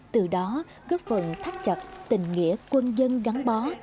từ đó góp phần thắt chặt tình nghĩa quân dân gắn bó